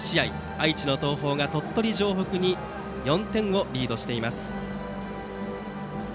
愛知の東邦が鳥取城北に対し４点リードしています。